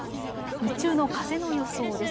日中の風の予想です。